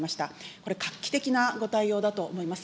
これ、画期的なご対応だと思います。